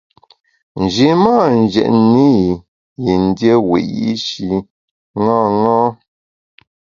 Nji mâ njètne i yin dié wiyi’shi ṅaṅâ.